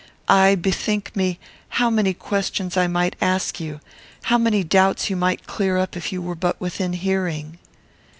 I bethink me how many questions I might ask you; how many doubts you might clear up if you were but within hearing.